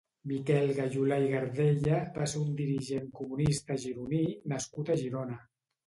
Miquel Gayolà i Gardella va ser un dirigent comunista gironí nascut a Girona.